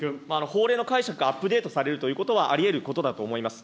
法令の解釈がアップデートされるということはありえることだと思います。